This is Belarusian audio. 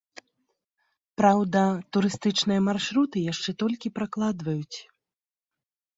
Праўда, турыстычныя маршруты яшчэ толькі пракладваюць.